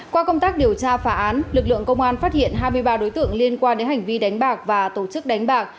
qua công tác điều tra phá án lực lượng công an phát hiện hai mươi ba đối tượng liên quan đến hành vi đánh bạc và tổ chức đánh bạc